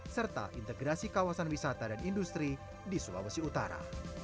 serta integrasi kawasan wisata dan industri di sulawesi utara